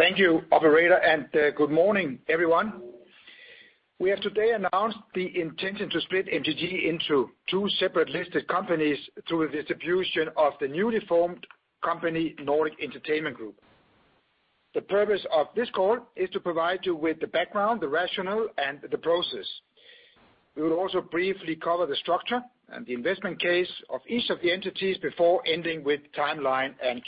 Thank you, operator, and good morning, everyone. We have today announced the intention to split MTG into two separate listed companies through a distribution of the newly formed company, Nordic Entertainment Group. The purpose of this call is to provide you with the background, the rationale, and the process. We will also briefly cover the structure and the investment case of each of the entities before ending with timeline and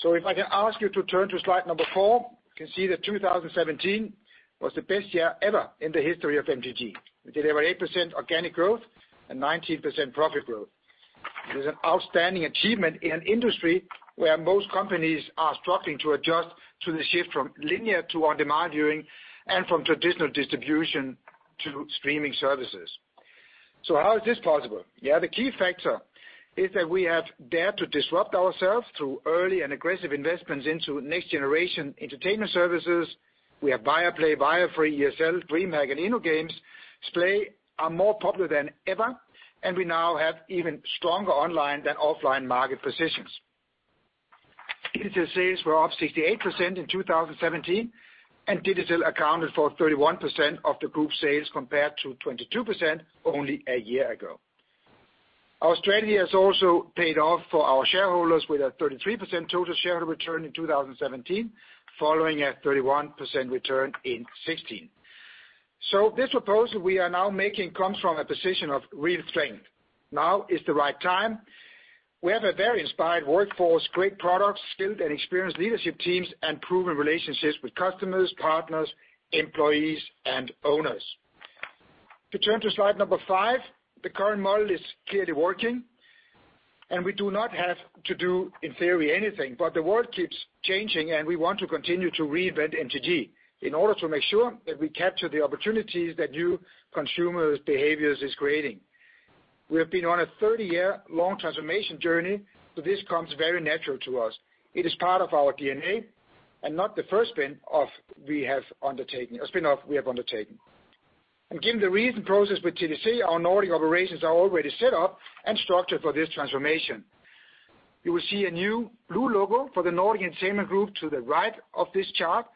Q&A. If I can ask you to turn to slide number four, you can see that 2017 was the best year ever in the history of MTG. We delivered 8% organic growth and 19% profit growth. It was an outstanding achievement in an industry where most companies are struggling to adjust to the shift from linear to on-demand viewing and from traditional distribution to streaming services. How is this possible? The key factor is that we have dared to disrupt ourselves through early and aggressive investments into next-generation entertainment services. We have Viaplay, Viafree, ESL, DreamHack, and InnoGames. Splay are more popular than ever, and we now have even stronger online than offline market positions. Digital sales were up 68% in 2017, and digital accounted for 31% of the group sales, compared to 22% only a year ago. Our strategy has also paid off for our shareholders, with a 33% total shareholder return in 2017, following a 31% return in 2016. This proposal we are now making comes from a position of real strength. Now is the right time. We have a very inspired workforce, great products, skilled and experienced leadership teams, and proven relationships with customers, partners, employees, and owners. If you turn to slide number five, the current model is clearly working, and we do not have to do, in theory, anything. The world keeps changing, and we want to continue to reinvent MTG in order to make sure that we capture the opportunities that new consumer behaviors is creating. We have been on a 30-year long transformation journey, so this comes very natural to us. It is part of our DNA and not the first spinoff we have undertaken. Given the recent process with TDC, our Nordic operations are already set up and structured for this transformation. You will see a new blue logo for the Nordic Entertainment Group to the right of this chart,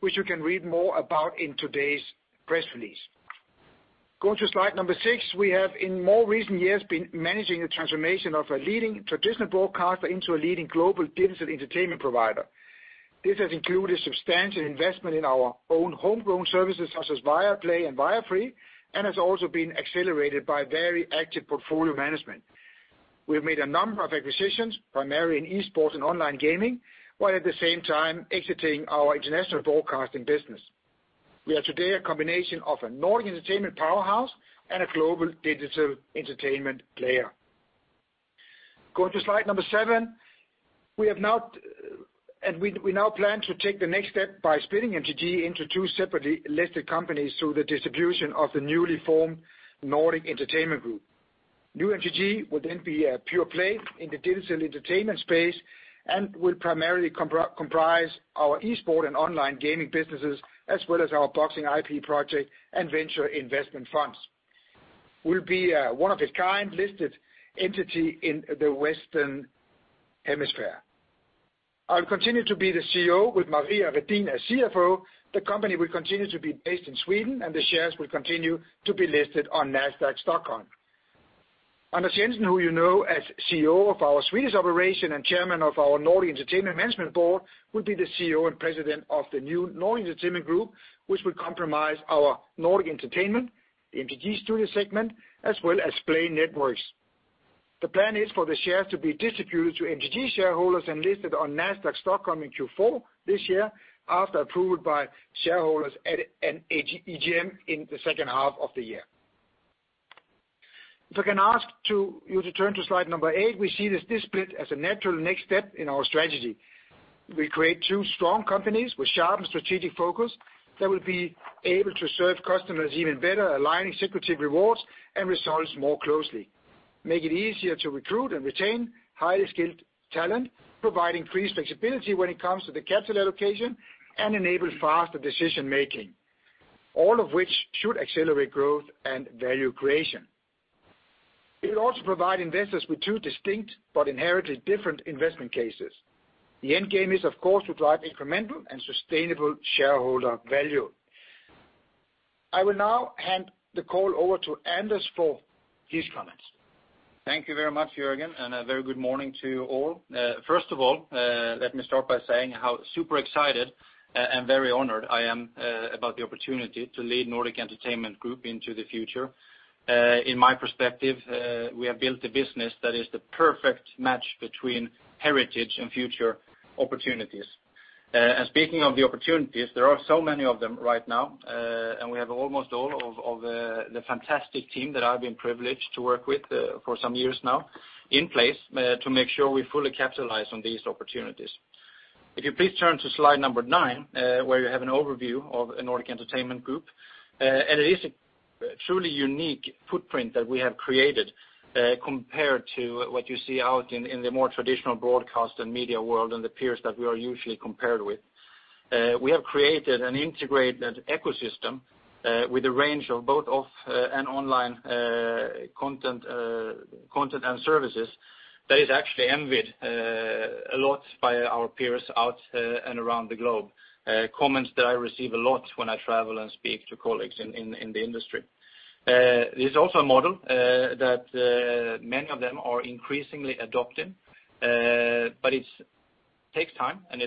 which you can read more about in today's press release. Going to slide number six, we have, in more recent years, been managing the transformation of a leading traditional broadcaster into a leading global digital entertainment provider. This has included substantial investment in our own homegrown services, such as Viaplay and Viafree, and has also been accelerated by very active portfolio management. We have made a number of acquisitions, primarily in esports and online gaming, while at the same time exiting our international broadcasting business. We are today a combination of a Nordic entertainment powerhouse and a global digital entertainment player. Going to slide number seven, we now plan to take the next step by splitting MTG into two separately listed companies through the distribution of the newly formed Nordic Entertainment Group. New MTG will be a pure play in the digital entertainment space and will primarily comprise our esports and online gaming businesses, as well as our boxing IP project and venture investment funds. We'll be a one-of-a-kind listed entity in the Western Hemisphere. I'll continue to be the CEO with Maria Redin as CFO. The company will continue to be based in Sweden, and the shares will continue to be listed on Nasdaq Stockholm. Anders Jensen, who you know as CEO of our Swedish operation and Chairman of our Nordic Entertainment management board, will be the CEO and President of the new Nordic Entertainment Group, which will comprise our Nordic entertainment, MTG Studio segment, as well as Splay Networks. The plan is for the shares to be distributed to MTG shareholders and listed on Nasdaq Stockholm in Q4 this year after approval by shareholders at an AGM in the second half of the year. If I can ask you to turn to slide number eight, we see this split as a natural next step in our strategy. We create two strong companies with sharp and strategic focus that will be able to serve customers even better, aligning executive rewards and results more closely, make it easier to recruit and retain highly skilled talent, provide increased flexibility when it comes to the capital allocation, and enable faster decision-making, all of which should accelerate growth and value creation. It will also provide investors with two distinct but inherently different investment cases. The end game is, of course, to drive incremental and sustainable shareholder value. I will now hand the call over to Anders for his comments. Thank you very much, Jørgen, a very good morning to you all. First of all, let me start by saying how super excited and very honored I am about the opportunity to lead Nordic Entertainment Group into the future. In my perspective, we have built a business that is the perfect match between heritage and future opportunities. Speaking of the opportunities, there are so many of them right now, and we have almost all of the fantastic team that I've been privileged to work with for some years now in place to make sure we fully capitalize on these opportunities. If you please turn to slide number nine, where you have an overview of the Nordic Entertainment Group. It is a truly unique footprint that we have created compared to what you see out in the more traditional broadcast and media world and the peers that we are usually compared with. We have created an integrated ecosystem with a range of both off and online content and services that is actually envied a lot by our peers out and around the globe. Comments that I receive a lot when I travel and speak to colleagues in the industry. It is also a model that many of them are increasingly adopting, but it's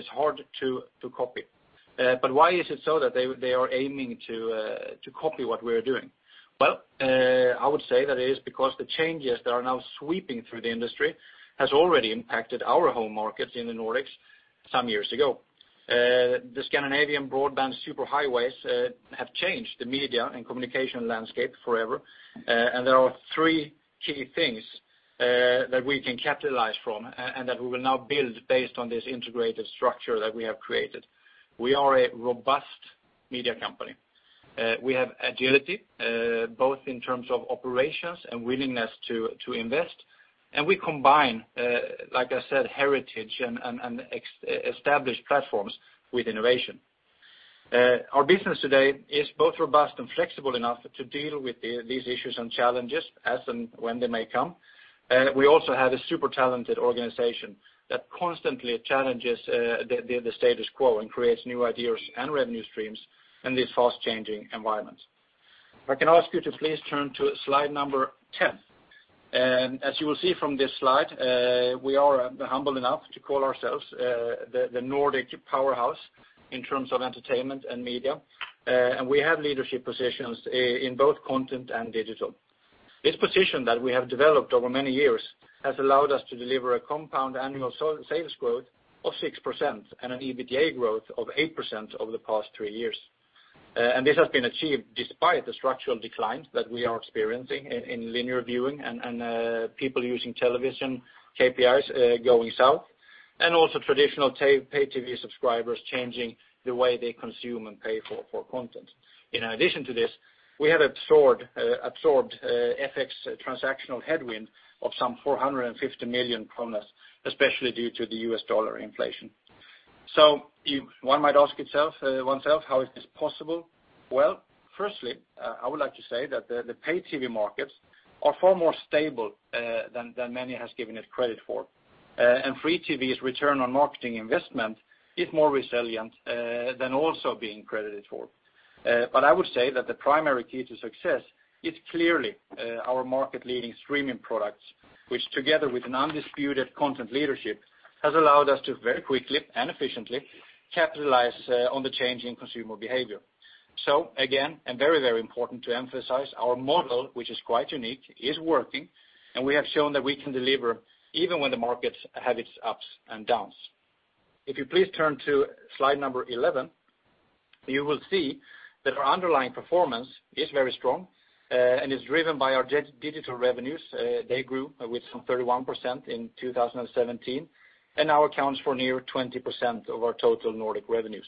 hard to copy. Why is it so that they are aiming to copy what we're doing? I would say that it is because the changes that are now sweeping through the industry has already impacted our home markets in the Nordics some years ago. The Scandinavian broadband super highways have changed the media and communication landscape forever. There are three key things that we can capitalize from, and that we will now build based on this integrated structure that we have created. We are a robust media company. We have agility, both in terms of operations and willingness to invest. We combine, like I said, heritage and established platforms with innovation. Our business today is both robust and flexible enough to deal with these issues and challenges as and when they may come. We also have a super talented organization that constantly challenges the status quo and creates new ideas and revenue streams in these fast-changing environments. If I can ask you to please turn to slide number 10. As you will see from this slide, we are humble enough to call ourselves the Nordic powerhouse in terms of entertainment and media. We have leadership positions in both content and digital. This position that we have developed over many years has allowed us to deliver a compound annual sales growth of 6% and an EBITDA growth of 8% over the past three years. This has been achieved despite the structural declines that we are experiencing in linear viewing and people using television, KPIs going south, and also traditional paid TV subscribers changing the way they consume and pay for content. In addition to this, we had absorbed FX transactional headwind of some 450 million kronor, especially due to the U.S. dollar inflation. One might ask oneself how it is possible. Firstly, I would like to say that the paid TV markets are far more stable than many has given it credit for. Free TV's return on marketing investment is more resilient than also being credited for. I would say that the primary key to success is clearly our market-leading streaming products, which together with an undisputed content leadership, has allowed us to very quickly and efficiently capitalize on the change in consumer behavior. Again, and very important to emphasize, our model, which is quite unique, is working, and we have shown that we can deliver even when the market has its ups and downs. If you please turn to slide number 11, you will see that our underlying performance is very strong and is driven by our digital revenues. They grew with some 31% in 2017 and now accounts for near 20% of our total Nordic revenues.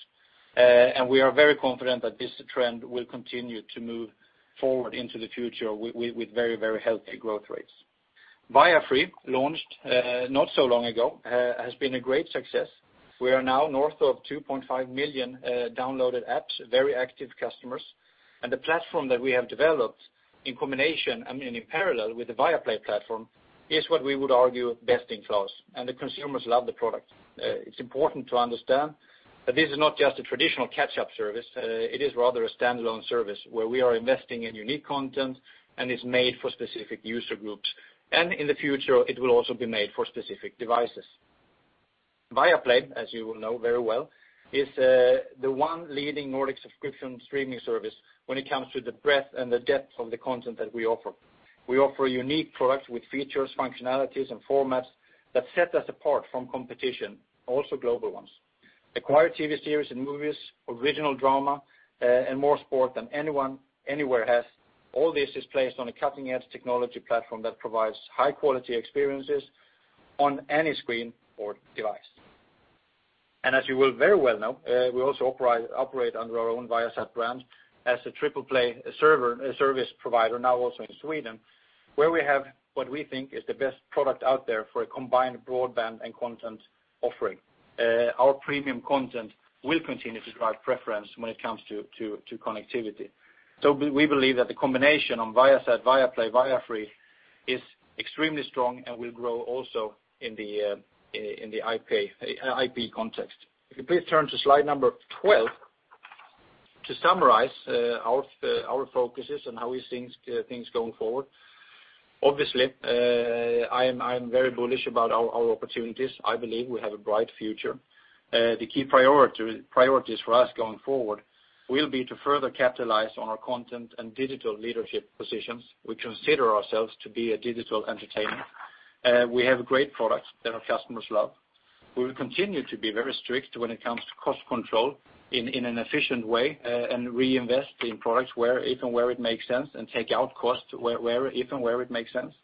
We are very confident that this trend will continue to move forward into the future with very healthy growth rates. Viafree, launched not so long ago, has been a great success. We are now north of 2.5 million downloaded apps, very active customers. The platform that we have developed in parallel with the Viaplay platform is what we would argue best-in-class. The consumers love the product. It is important to understand that this is not just a traditional catch-up service. It is rather a standalone service where we are investing in unique content. It is made for specific user groups. In the future, it will also be made for specific devices. Viaplay, as you will know very well, is the one leading Nordic subscription streaming service when it comes to the breadth and the depth of the content that we offer. We offer a unique product with features, functionalities, and formats that set us apart from competition, also global ones. Acquired TV series and movies, original drama, more sport than anyone, anywhere has. All this is placed on a cutting-edge technology platform that provides high-quality experiences on any screen or device. As you will very well know, we also operate under our own Viasat brand as a triple-play service provider now also in Sweden, where we have what we think is the best product out there for a combined broadband and content offering. We believe that the combination on Viasat, Viaplay, Viafree is extremely strong and will grow also in the IP context. If you please turn to slide number 12. To summarize our focuses and how we think things going forward. Obviously, I am very bullish about our opportunities. I believe we have a bright future. The key priorities for us going forward will be to further capitalize on our content and digital leadership positions. We consider ourselves to be a digital entertainer. We have great products that our customers love. We will continue to be very strict when it comes to cost control in an efficient way and reinvest in products if and where it makes sense and take out costs if and where it makes sense.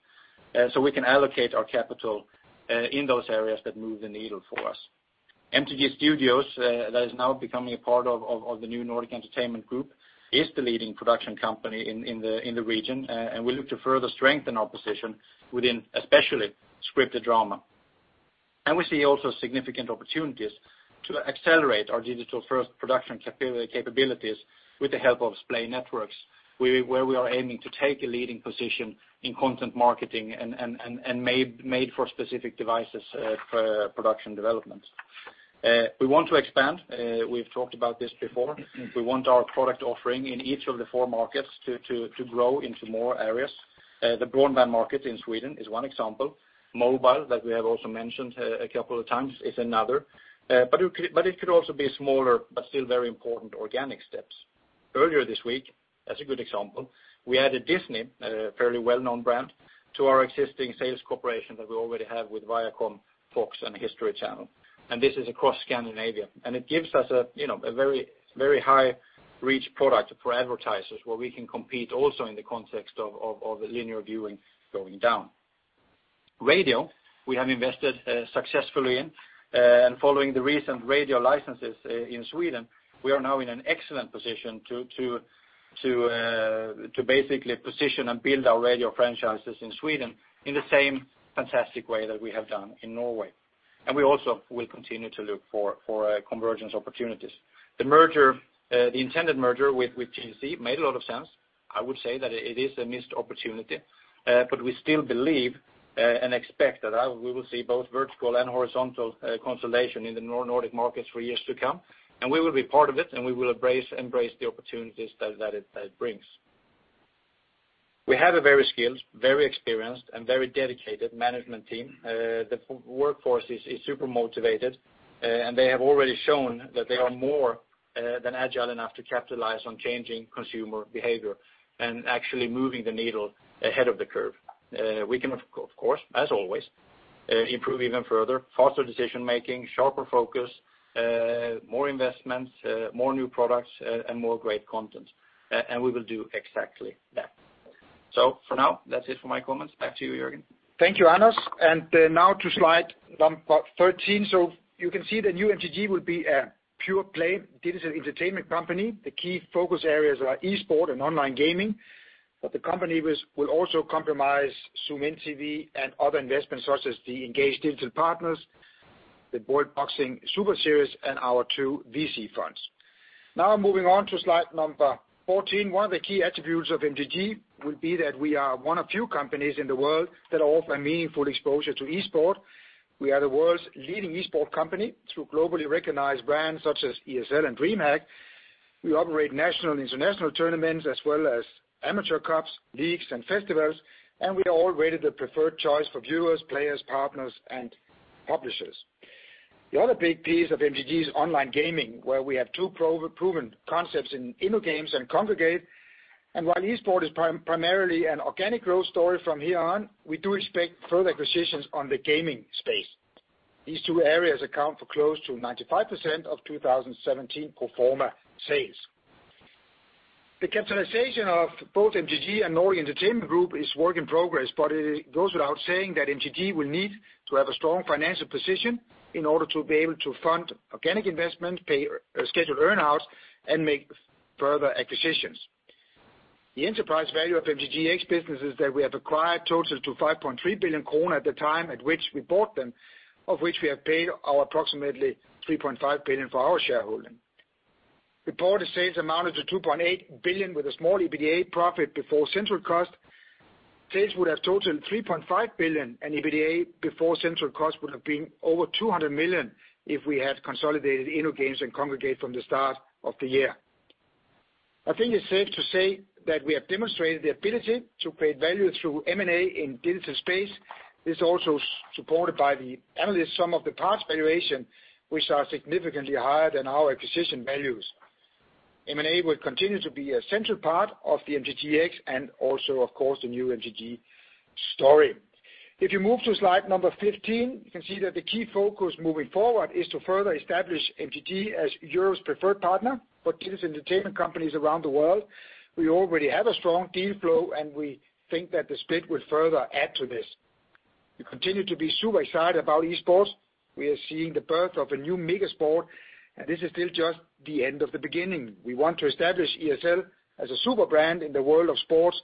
We can allocate our capital in those areas that move the needle for us. MTG Studios, that is now becoming a part of the new Nordic Entertainment Group, is the leading production company in the region. We look to further strengthen our position within especially scripted drama. We see also significant opportunities to accelerate our digital-first production capabilities with the help of Splay Networks, where we are aiming to take a leading position in content marketing and made for specific devices for production development. We want to expand. We've talked about this before. We want our product offering in each of the four markets to grow into more areas. The broadband market in Sweden is one example. Mobile, like we have also mentioned a couple of times, is another. It could also be smaller but still very important organic steps. Earlier this week, as a good example, we added Disney, a fairly well-known brand, to our existing sales cooperation that we already have with Viacom, Fox, and The History Channel. This is across Scandinavia. It gives us a very high reach product for advertisers, where we can compete also in the context of the linear viewing going down. Radio, we have invested successfully in. Following the recent radio licenses in Sweden, we are now in an excellent position to basically position and build our radio franchises in Sweden in the same fantastic way that we have done in Norway. We also will continue to look for convergence opportunities. The intended merger with GEC made a lot of sense. I would say that it is a missed opportunity. We still believe and expect that we will see both vertical and horizontal consolidation in the Nordic markets for years to come, and we will be part of it, and we will embrace the opportunities that it brings. We have a very skilled, very experienced, and very dedicated management team. The workforce is super motivated, and they have already shown that they are more than agile enough to capitalize on changing consumer behavior and actually moving the needle ahead of the curve. We can, of course, as always, improve even further, faster decision-making, sharper focus, more investments, more new products, and more great content. We will do exactly that. For now, that's it for my comments. Back to you, Jørgen. Thank you, Anders. Now to slide number 13. You can see the new MTG will be a pure-play digital entertainment company. The key focus areas are esports and online gaming, but the company will also comprise Zoomin.TV and other investments such as the Engage Digital Partners, the World Boxing Super Series, and our two VC funds. Moving on to slide number 14. One of the key attributes of MTG will be that we are one of few companies in the world that offer meaningful exposure to esports. We are the world's leading esports company through globally recognized brands such as ESL and DreamHack. We operate national and international tournaments, as well as amateur cups, leagues, and festivals. We are already the preferred choice for viewers, players, partners, and publishers. The other big piece of MTG is online gaming, where we have two proven concepts in InnoGames and Kongregate. While esports is primarily an organic growth story from here on, we do expect further acquisitions on the gaming space. These two areas account for close to 95% of 2017 pro forma sales. The capitalization of both MTG and Nordic Entertainment Group is work in progress, but it goes without saying that MTG will need to have a strong financial position in order to be able to fund organic investment, pay scheduled earn-outs, and make further acquisitions. The enterprise value of MTGx businesses that we have acquired totals to 5.3 billion kronor at the time at which we bought them, of which we have paid approximately 3.5 billion for our shareholding. Reported sales amounted to 2.8 billion with a small EBITDA profit before central cost. Sales would have totaled 3.5 billion and EBITDA before central cost would have been over 200 million if we had consolidated InnoGames and Kongregate from the start of the year. I think it's safe to say that we have demonstrated the ability to create value through M&A in digital space. This is also supported by the analysts' sum of the parts valuation, which are significantly higher than our acquisition values. M&A will continue to be a central part of the MTGx and also, of course, the new MTG story. If you move to slide number 15, you can see that the key focus moving forward is to further establish MTG as Europe's preferred partner for digital entertainment companies around the world. We already have a strong deal flow, and we think that the split will further add to this. We continue to be super excited about esports. We are seeing the birth of a new mega sport, and this is still just the end of the beginning. We want to establish ESL as a super brand in the world of sports,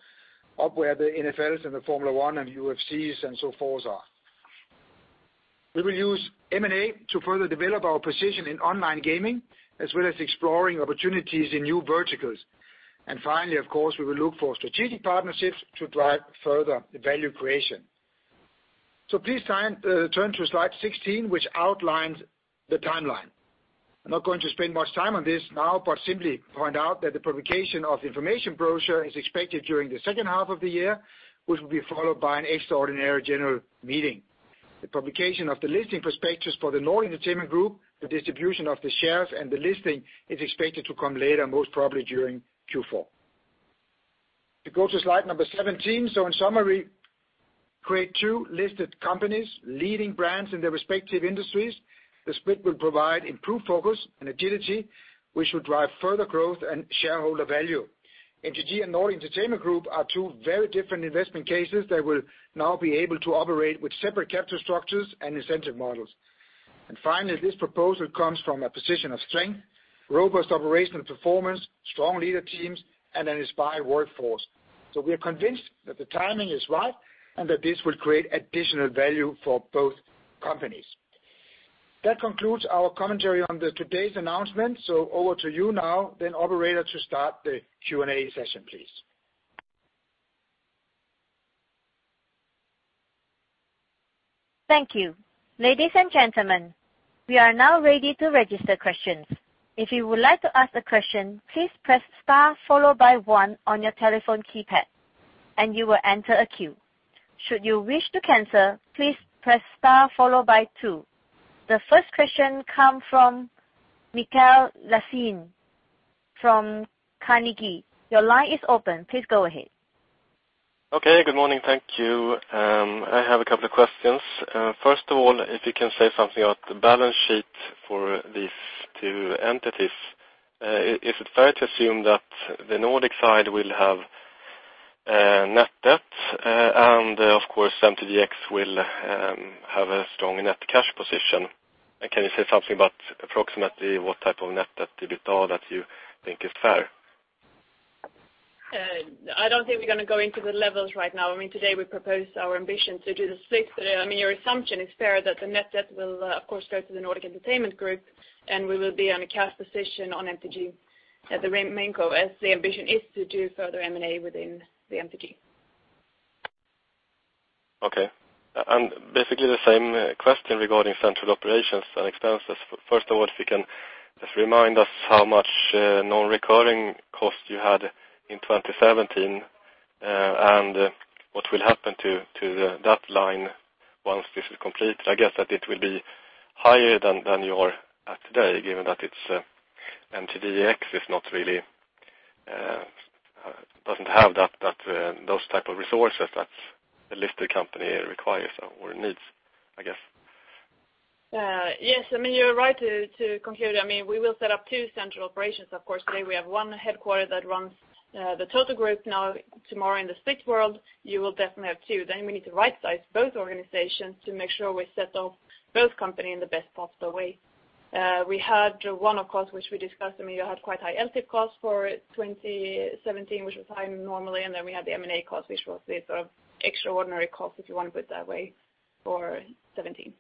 up where the NFLs and the Formula One and UFCs and so forth are. We will use M&A to further develop our position in online gaming, as well as exploring opportunities in new verticals. Finally, of course, we will look for strategic partnerships to drive further value creation. Please turn to slide 16, which outlines the timeline. I'm not going to spend much time on this now, but simply point out that the publication of information brochure is expected during the second half of the year, which will be followed by an extraordinary general meeting. The publication of the listing prospectus for the Nordic Entertainment Group, the distribution of the shares, and the listing is expected to come later, most probably during Q4. If you go to slide number 17. In summary, create two listed companies, leading brands in their respective industries. The split will provide improved focus and agility, which will drive further growth and shareholder value. MTG and Nordic Entertainment Group are two very different investment cases that will now be able to operate with separate capital structures and incentive models. Finally, this proposal comes from a position of strength, robust operational performance, strong leader teams, and an inspired workforce. We are convinced that the timing is right and that this will create additional value for both companies. That concludes our commentary on today's announcement. Over to you now, then operator to start the Q&A session, please. Thank you. Ladies and gentlemen, we are now ready to register questions. If you would like to ask a question, please press star followed by one on your telephone keypad, and you will enter a queue. Should you wish to cancel, please press star followed by two. The first question come from Mikael Laséen from Carnegie. Your line is open. Please go ahead. Okay. Good morning. Thank you. I have a couple of questions. First of all, if you can say something about the balance sheet for these two entities. Is it fair to assume that the Nordic side will have net debt, and of course MTGX will have a strong net cash position? Can you say something about approximately what type of net debt to EBITDA that you think is fair? I don't think we're going to go into the levels right now. Today we proposed our ambition to do the split. Your assumption is fair that the net debt will, of course, go to the Nordic Entertainment Group, and we will be on a cash position on MTG at the main co, as the ambition is to do further M&A within the MTG. Okay. Basically the same question regarding central operations and expenses. First of all, if you can just remind us how much non-recurring cost you had in 2017, and what will happen to that line once this is completed. I guess that it will be higher than you are at today, given that MTGX doesn't have those type of resources that the listed company requires or needs, I guess. Yes, you're right to conclude. We will set up two central operations. Of course, today we have one headquarter that runs the total group now. Tomorrow in the split world, you will definitely have two. We need to right-size both organizations to make sure we set off both company in the best possible way. We had one, of course, which we discussed. You had quite high LTIP costs for 2017, which was high normally. We had the M&A cost, which was the sort of extraordinary cost, if you want to put it that way, for '17.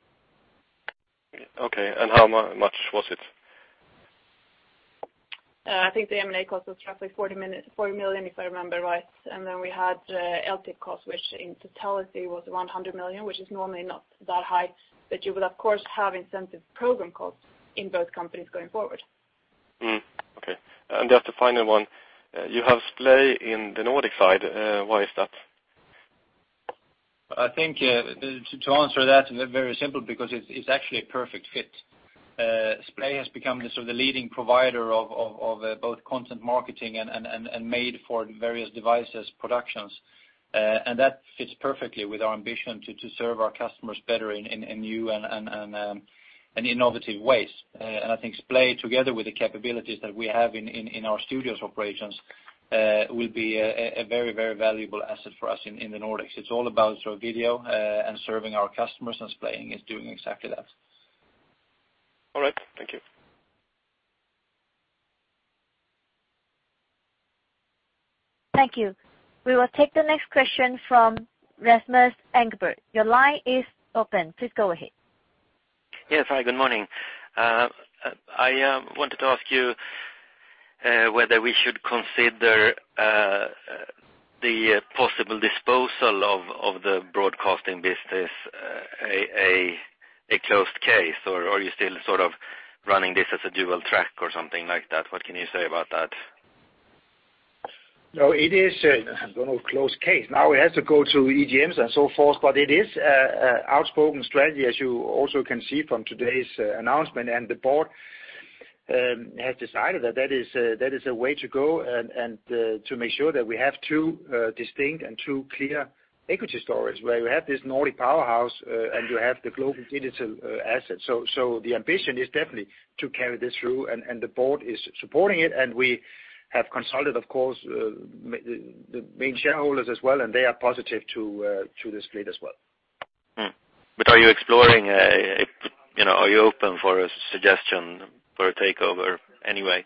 Okay. How much was it? I think the M&A cost was roughly 40 million, if I remember right. We had LTIP cost, which in totality was around 100 million, which is normally not that high. You will of course have incentive program costs in both companies going forward. Okay. Just the final one. You have Splay in the Nordic side. Why is that? I think to answer that, very simple, because it's actually a perfect fit. Splay has become the sort of the leading provider of both content marketing and made-for-various-devices productions. That fits perfectly with our ambition to serve our customers better in new and innovative ways. I think Splay, together with the capabilities that we have in our studios operations, will be a very valuable asset for us in the Nordics. It's all about video and serving our customers, Splay is doing exactly that. All right. Thank you. Thank you. We will take the next question from Rasmus Engberg. Your line is open. Please go ahead. Yes. Hi, good morning. I wanted to ask you whether we should consider the possible disposal of the broadcasting business a closed case, or are you still sort of running this as a dual track or something like that? What can you say about that? No, it is, I don't know, a closed case. Now it has to go through EGMs and so forth, it is an outspoken strategy, as you also can see from today's announcement. The board has decided that that is a way to go, and to make sure that we have two distinct and two clear equity stories, where you have this Nordic powerhouse and you have the global digital asset. The ambition is definitely to carry this through, and the board is supporting it, and we have consulted, of course, the main shareholders as well, and they are positive to this split as well. Are you exploring, are you open for a suggestion for a takeover anyway?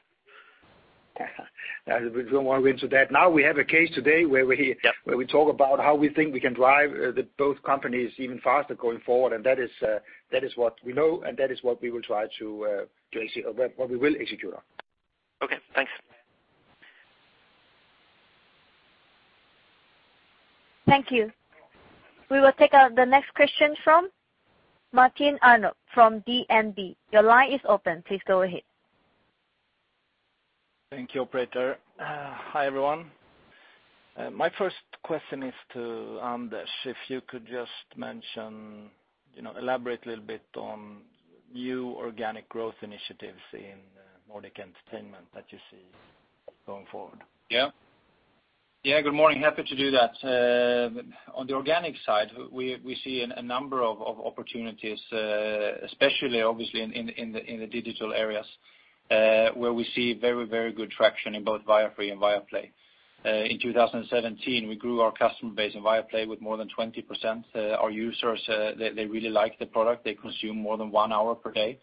We don't want to go into that. Now we have a case today where we- Yep ...where we talk about how we think we can drive both companies even faster going forward, and that is what we know, and that is what we will try to execute, what we will execute on. Okay, thanks. Thank you. We will take the next question from Martin Arnell from DNB. Your line is open. Please go ahead. Thank you, operator. Hi, everyone. My first question is to Anders. If you could just mention, elaborate a little bit on new organic growth initiatives in Nordic Entertainment that you see going forward. Yeah. Good morning. Happy to do that. On the organic side, we see a number of opportunities, especially obviously in the digital areas, where we see very good traction in both Viafree and Viaplay. In 2017, we grew our customer base in Viaplay with more than 20%. Our users, they really like the product. They consume more than one hour per day.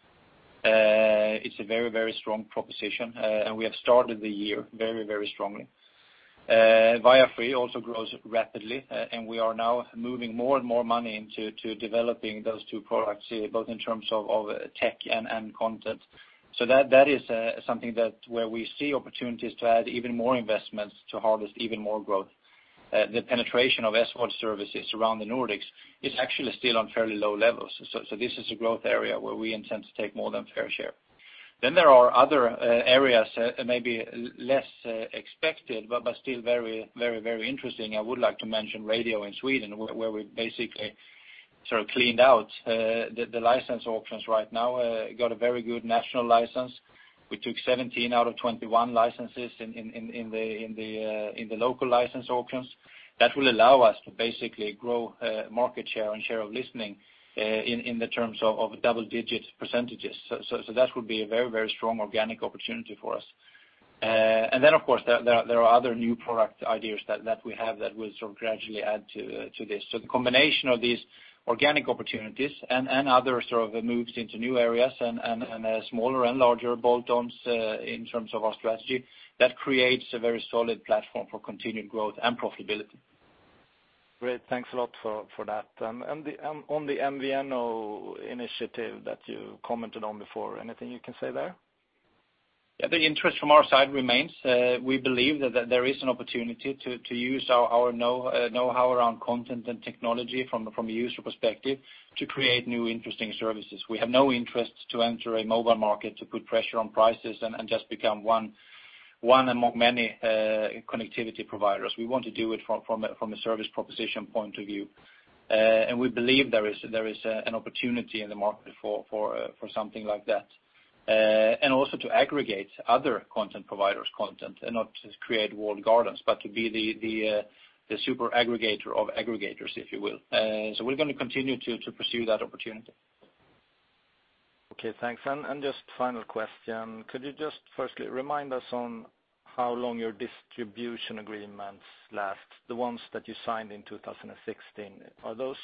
It's a very strong proposition. We have started the year very strongly. Viafree also grows rapidly, and we are now moving more and more money into developing those two products, both in terms of tech and content. That is something that where we see opportunities to add even more investments to harvest even more growth. The penetration of SVOD services around the Nordics is actually still on fairly low levels. This is a growth area where we intend to take more than fair share. There are other areas that maybe less expected, but still very interesting. I would like to mention radio in Sweden, where we basically sort of cleaned out the license auctions right now, got a very good national license. We took 17 out of 21 licenses in the local license auctions. That will allow us to basically grow market share and share of listening in the terms of double-digit %. That would be a very strong organic opportunity for us. Of course, there are other new product ideas that we have that will sort of gradually add to this. The combination of these organic opportunities and other sort of moves into new areas and smaller and larger bolt-ons in terms of our strategy, that creates a very solid platform for continued growth and profitability. Great. Thanks a lot for that. On the MVNO initiative that you commented on before, anything you can say there? Yeah. The interest from our side remains. We believe that there is an opportunity to use our knowhow around content and technology from a user perspective to create new interesting services. We have no interest to enter a mobile market to put pressure on prices and just become one among many connectivity providers. We want to do it from a service proposition point of view. We believe there is an opportunity in the market for something like that. Also to aggregate other content providers' content and not just create walled gardens, but to be the super aggregator of aggregators, if you will. We're going to continue to pursue that opportunity. Okay, thanks. Just final question. Could you just firstly remind us on how long your distribution agreements last, the ones that you signed in 2016, are those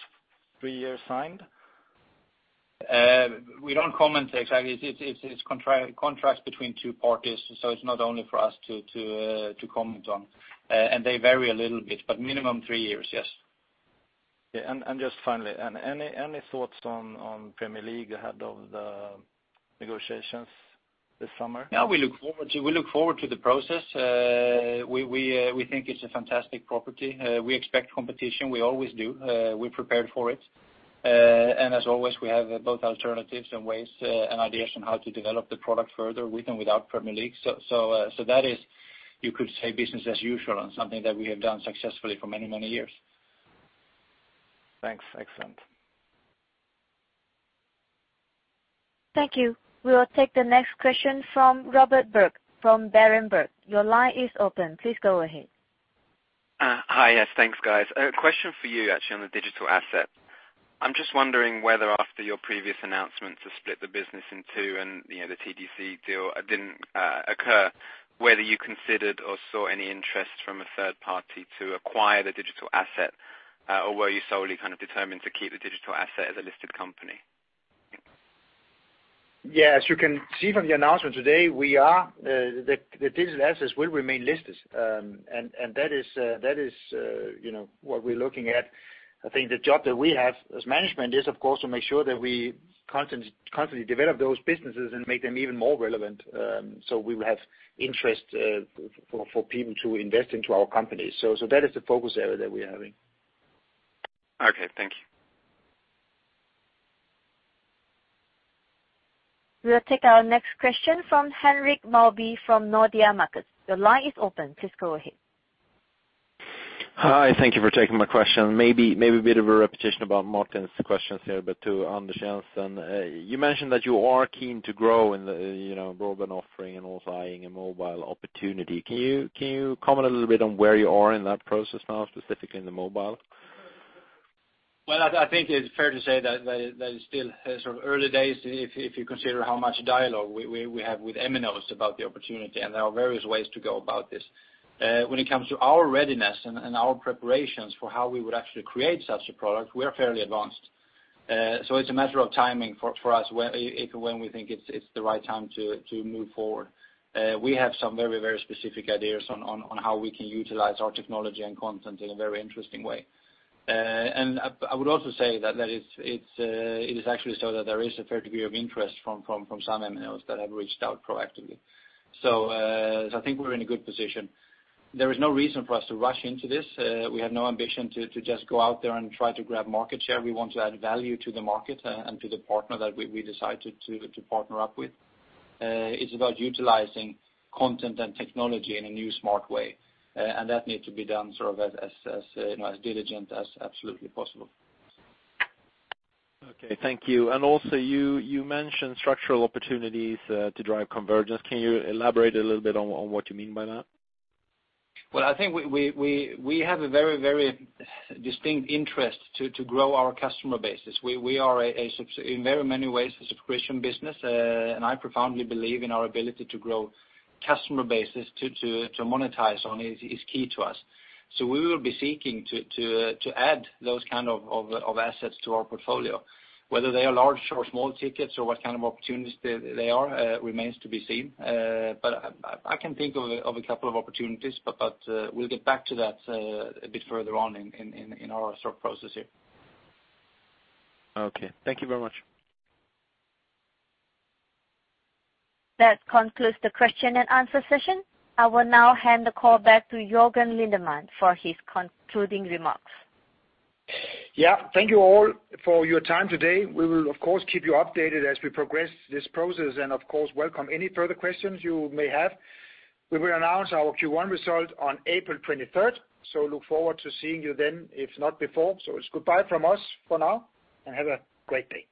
three years signed? We don't comment exactly. It's contracts between two parties, so it's not only for us to comment on. They vary a little bit, but minimum three years, yes. Yeah. Just finally, any thoughts on Premier League ahead of the negotiations this summer? No, we look forward to the process. We think it's a fantastic property. We expect competition. We always do. We're prepared for it. As always, we have both alternatives and ways and ideas on how to develop the product further with and without Premier League. That is, you could say, business as usual and something that we have done successfully for many years. Thanks. Excellent. Thank you. We'll take the next question from Robert Berg, from Berenberg. Your line is open. Please go ahead. Hi. Yes, thanks, guys. A question for you actually on the digital asset. I'm just wondering whether after your previous announcements to split the business in two and the TDC deal didn't occur, whether you considered or saw any interest from a third party to acquire the digital asset or were you solely kind of determined to keep the digital asset as a listed company? Yeah. As you can see from the announcement today, the digital assets will remain listed. That is what we're looking at. I think the job that we have as management is, of course, to make sure that we constantly develop those businesses and make them even more relevant. We will have interest for people to invest into our company. That is the focus area that we are having. Okay. Thank you. We'll take our next question from Henrik Mawby from Nordea Markets. The line is open. Please go ahead. Hi. Thank you for taking my question. Maybe a bit of a repetition about Martin's questions here. To Anders Jensen, you mentioned that you are keen to grow in the broadband offering and also eyeing a mobile opportunity. Can you comment a little bit on where you are in that process now, specifically in the mobile? Well, I think it's fair to say that it's still sort of early days if you consider how much dialogue we have with MNOs about the opportunity. There are various ways to go about this. When it comes to our readiness and our preparations for how we would actually create such a product, we are fairly advanced. It's a matter of timing for us when we think it's the right time to move forward. We have some very specific ideas on how we can utilize our technology and content in a very interesting way. I would also say that it is actually so that there is a fair degree of interest from some MNOs that have reached out proactively. I think we're in a good position. There is no reason for us to rush into this. We have no ambition to just go out there and try to grab market share. We want to add value to the market and to the partner that we decide to partner up with. It's about utilizing content and technology in a new, smart way. That needs to be done sort of as diligent as absolutely possible. Okay. Thank you. You mentioned structural opportunities to drive convergence. Can you elaborate a little bit on what you mean by that? Well, I think we have a very distinct interest to grow our customer bases. We are in very many ways a subscription business, and I profoundly believe in our ability to grow customer bases to monetize on is key to us. We will be seeking to add those kind of assets to our portfolio. Whether they are large or small tickets or what kind of opportunities they are remains to be seen. I can think of a couple of opportunities, but we'll get back to that a bit further on in our sort of process here. Okay. Thank you very much. That concludes the question and answer session. I will now hand the call back to Jørgen Lindemann for his concluding remarks. Yeah. Thank you all for your time today. We will of course keep you updated as we progress this process and of course welcome any further questions you may have. We will announce our Q1 result on April 23rd, so look forward to seeing you then, if not before. It's goodbye from us for now, and have a great day.